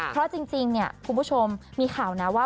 เพราะจริงเนี่ยคุณผู้ชมมีข่าวนะว่า